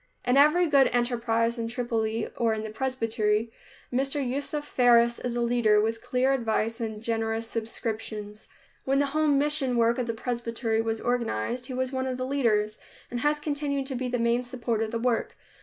In every good enterprise, in Tripoli, or in presbytery, Mr. Yusuf Faris is a leader, with clear advice and generous subscriptions. When the home mission work of the presbytery was organized, he was one of the leaders, and has continued to be the main support of the work.